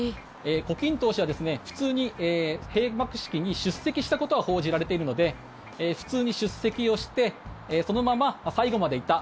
胡錦涛氏は、普通に閉幕式に出席したことは報じられているので普通に出席をしてそのまま最後までいた。